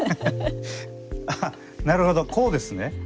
あっなるほどこうですね。